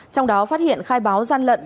trong đó phát hiện khai báo gian lận